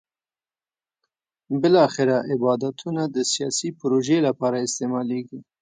بالاخره عبادتونه د سیاسي پروژې لپاره استعمالېږي.